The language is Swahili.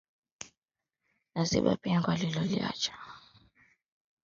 Naziba pengo alilowacha